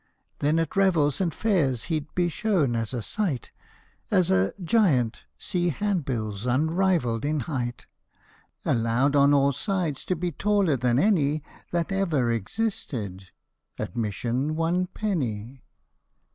Then at revels and fairs he'd be shown as a sight As " A Giant " see handbills " unrivalled in height, Allowed on all sides to be taller than any That ever existed. Admission, one penny.